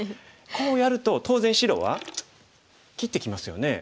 こうやると当然白は切ってきますよね。